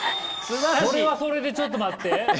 それはそれでちょっと待って。